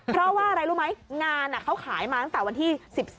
เพราะว่าอะไรรู้ไหมงานเขาขายมาตั้งแต่วันที่๑๓